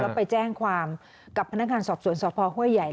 แล้วไปแจ้งความกับพนักงานสอบสวนสพห้วยใหญ่